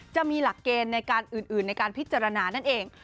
จะมีหลักเกณฑ์ในการอื่นในการพิจารณานั่นเอง